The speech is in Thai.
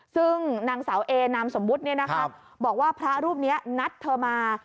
ซึ่งนางสาวเอนามสมบุตรเนี้ยนะคะบอกว่าพระรูปเนี้ยนัดเธอมา